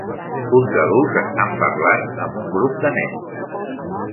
Uns adults estan parlant amb un grup de nens.